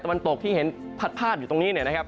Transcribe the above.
ตอนตกที่เห็นผลัดอยู่ตรงนี้นะครับ